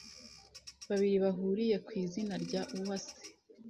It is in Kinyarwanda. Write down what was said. babiri bahuriye ku izina rya Uwase